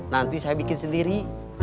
nanti saya bikin sendiri